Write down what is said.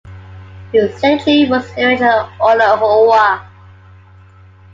Its secretary was Erich Ollenhauer.